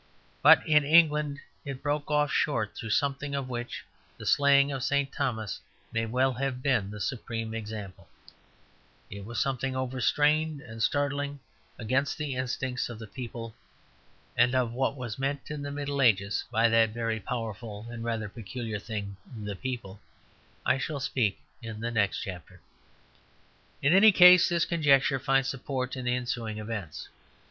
But in England it broke off short, through something of which the slaying of St. Thomas may well have been the supreme example. It was something overstrained and startling and against the instincts of the people. And of what was meant in the Middle Ages by that very powerful and rather peculiar thing, the people, I shall speak in the next chapter. In any case this conjecture finds support in the ensuing events.